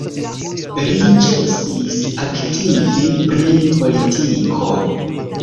Li ĉesis aktivi pri politiko.